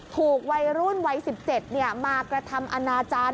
ถูกวัยรุ่นวัย๑๗มากระทำอนาจารย์